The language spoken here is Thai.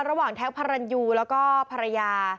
ระหว่างแท็กภารรรณอยู่แล้วก็ภรรยา